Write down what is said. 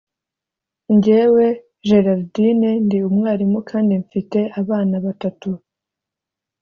njyewe, gerardine, ndi umwarimu kandi mfite abana batatu.